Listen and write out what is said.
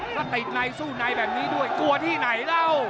ถ้าติดในสู้ในแบบนี้ด้วยกลัวที่ไหนเล่า